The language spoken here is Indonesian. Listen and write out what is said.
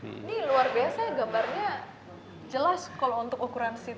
ini luar biasa gambarnya jelas kalau untuk ukuran sini